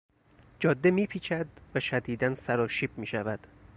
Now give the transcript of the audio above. جاده میپیچد و شدیدا سراشیب میشود.